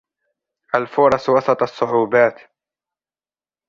الفرص وسط الصعوبات